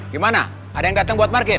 gimana ada yang datang buat parkir